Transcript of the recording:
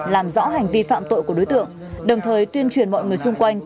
làm rõ hành vi phạm tội của đối tượng đồng thời tuyên truyền mọi người xung quanh